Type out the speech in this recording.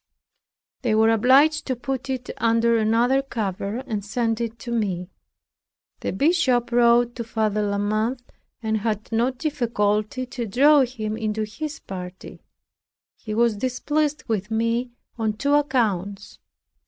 They were obliged to put it under another cover, and send it to me. The bishop wrote to Father La Mothe, and had no difficulty to draw him into his party. He was displeased with me on two accounts.